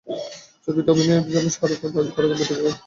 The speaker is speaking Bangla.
ছবিটিতে অভিনয়ের জন্য শাহরুখকে রাজি করাতে পরে বৈঠকেরও আয়োজন করেন তিনি।